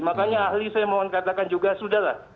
makanya ahli saya mohon katakan juga sudah lah